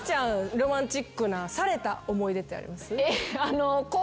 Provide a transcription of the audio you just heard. ロマンチックなされた思い出ってあります？